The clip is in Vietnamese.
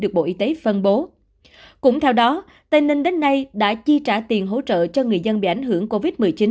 cũng theo đó tây ninh đến nay đã chi trả tiền hỗ trợ cho người dân bị ảnh hưởng covid một mươi chín